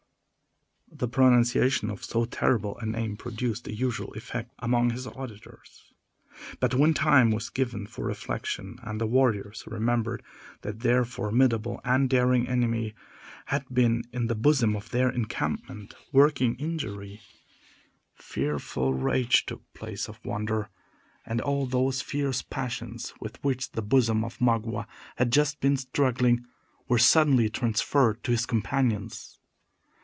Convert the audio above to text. The pronunciation of so terrible a name produced the usual effect among his auditors. But when time was given for reflection, and the warriors remembered that their formidable and daring enemy had even been in the bosom of their encampment, working injury, fearful rage took the place of wonder, and all those fierce passions with which the bosom of Magua had just been struggling were suddenly transferred to his companions.